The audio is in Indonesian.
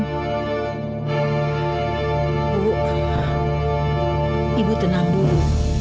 bu ibu tenang dulu